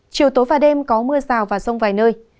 chiều tối và đêm có mưa rào và rông vài nơi